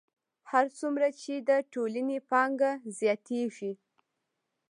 هر څومره چې د ټولنې پانګه زیاتېږي